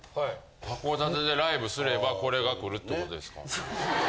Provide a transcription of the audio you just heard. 函館でライブすればこれが来るって事ですか。